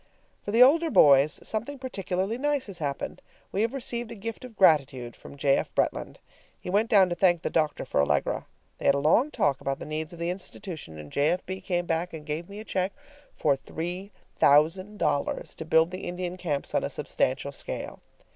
For the older boys something particularly nice has happened; we have received a gift of gratitude from J. F. Bretland. He went down to thank the doctor for Allegra. They had a long talk about the needs of the institution, and J. F. B. came back and gave me a check for $3000 to build the Indian camps on a substantial scale.